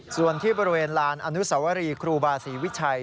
ส่วนที่บริเวณลานอนุสวรีครูบาศรีวิชัย